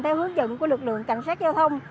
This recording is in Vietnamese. theo hướng dẫn của lực lượng cảnh sát giao thông